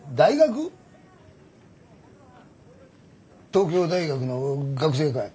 東京大学の学生かい？